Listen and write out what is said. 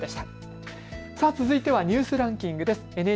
続いてはニュースランキングです。